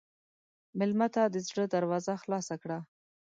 مېلمه ته د زړه دروازه خلاصه کړه.